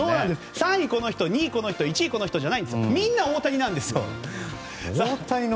３位この人、２位この人１位この人じゃなくてみんな大谷なんです。